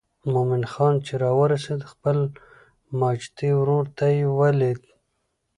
مومن خان چې راورسېد خپل ماجتي ورور یې ولید.